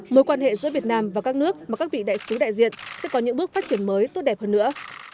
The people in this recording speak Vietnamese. mối quan hệ giữa việt nam và các nước mà các vị đại sứ đại diện sẽ có những bước phát triển mới tốt đẹp hơn nữa